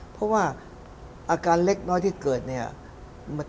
เพราะว่าอาการเล็กน้อยที่เกิดเนี่ย